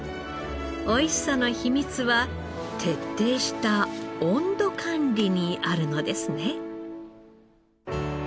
おいしさの秘密は徹底した温度管理にあるのですね。